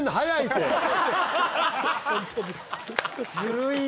ずるいよ